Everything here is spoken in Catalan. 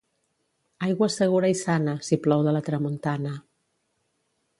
Aigua segura i sana, si plou de la tramuntana.